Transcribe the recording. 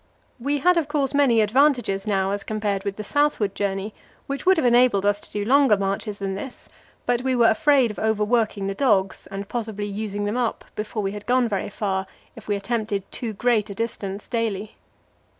We had, of course, many advantages now as compared with the southward journey, which would have enabled us to do longer marches than this; but we were afraid of overworking the dogs, and possibly using them up before we had gone very far, if we attempted too great a distance daily.